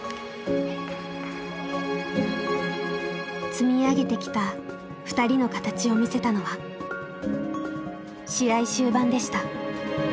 積み上げてきたふたりの形を見せたのは試合終盤でした。